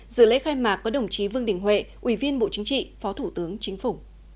dự lễ khai mạc có đồng chí vương đình huệ ủy viên bộ chính trị phó thủ tướng chính phủ